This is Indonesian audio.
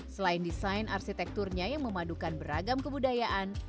selain desain arsitekturnya yang memadukan beragam kebudayaan